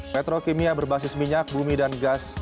petrokimia berbasis minyak bumi dan gas